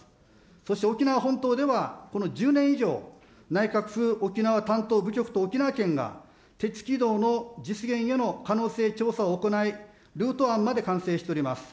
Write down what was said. そして沖縄本島ではこの１０年以上、内閣府沖縄担当部局と沖縄県が敵軌道の実現への可能性調査を行い、ルート案まで完成しております。